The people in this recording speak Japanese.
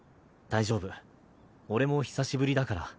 大丈夫俺も久しぶりだから。